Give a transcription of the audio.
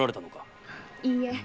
いいえ